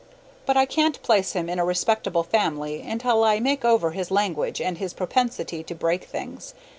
But I can't place him in a respectable family until I make over his language and his propensity to break things.